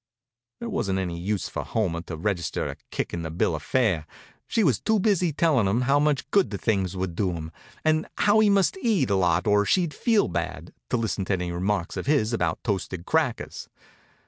There wasn't any use for Homer to register a kick on the bill of fare. She was too busy tellin' him how much good the things would do him, and how he must eat a lot or she'd feel bad, to listen to any remarks of his about toasted crackers.